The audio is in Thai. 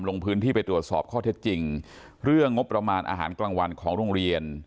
ลงพื้นที่ไปตรวจสอบข้อเท็จจริงเรื่องงบประมาณอาหารกลางวันของโรงเรียน